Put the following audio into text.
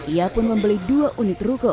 ia pun membeli dua unit ruko